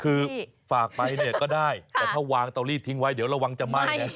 คือฝากไปเนี่ยก็ได้แต่ถ้าวางเตาลีดทิ้งไว้เดี๋ยวระวังจะไหม้นะ